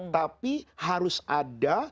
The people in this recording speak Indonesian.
tapi harus ada